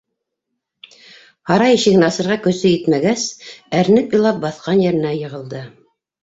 Һарай ишеген асырға көсө етмәгәс, әрнеп илап баҫҡан еренә йығылды.